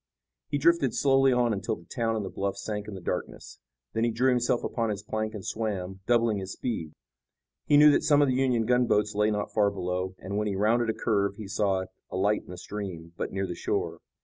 He drifted slowly on until the town and the bluffs sank in the darkness. Then he drew himself upon his plank and swam, doubling his speed. He knew that some of the Union gunboats lay not far below, and, when he rounded a curve, he saw a light in the stream, but near the shore.